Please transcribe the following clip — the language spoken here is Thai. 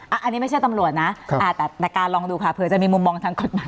อันนี้ไม่ใช่ตำรวจนะแต่การลองดูค่ะเผื่อจะมีมุมมองทางกฎหมาย